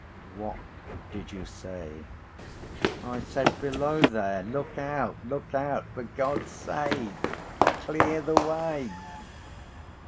"What did you say?" "I said, Below there! Look out! Look out! For God's sake clear the way!"